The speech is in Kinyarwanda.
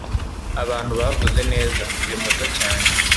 abantu bavuze neza, uri muto cyane